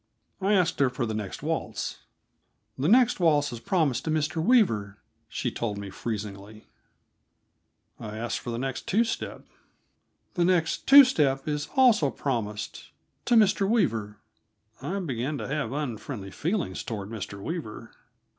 I asked her for the next waltz. "The next waltz is promised to Mr. Weaver," she told me freezingly. I asked for the next two step. "The next two step is also promised to Mr. Weaver." I began to have unfriendly feelings toward Mr. Weaver.